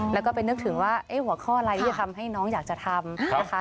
แล้วก็ไปนึกถึงว่าหัวข้ออะไรที่จะทำให้น้องอยากจะทำนะคะ